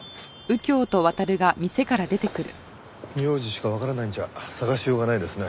名字しかわからないんじゃ捜しようがないですね。